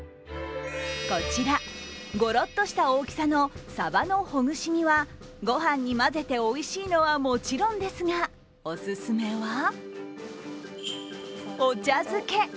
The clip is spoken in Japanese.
こちら、ごろっとした大きさのさばのほぐし身はご飯に混ぜておいしいのはもちろんですが、オススメはお茶漬け。